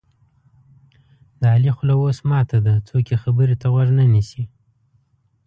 د علي خوله اوس ماته ده څوک یې خبرې ته غوږ نه نیسي.